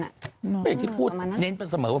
อย่างที่พูดเน้นประเสมอว่า